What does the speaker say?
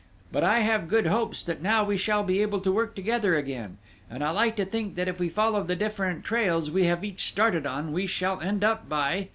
But I have good hopes that now we shall be able to work together again; and I like to think that if we follow the different trails we have each started on, we shall end up by..."